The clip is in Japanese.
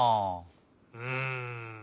うん。